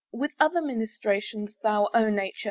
With other ministrations thou, O nature!